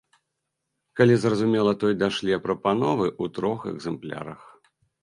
Калі, зразумела, той дашле прапановы ў трох экзэмплярах.